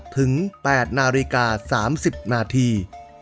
ถึงแปดนาฬิกาสามสิบนาที